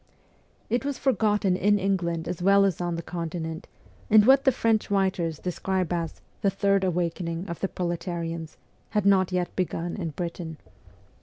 It was forgotten in England as well as on the Continent, and what the French writers describe as ' the third awakening of the proletarians ' had not yet begun in Britain.